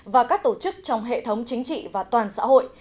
và các tổ chức trong hệ thống chính trị và toàn xã hội